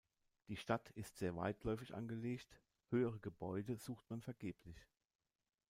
Die Stadt ist sehr weitläufig angelegt, höhere Gebäude sucht man vergeblich.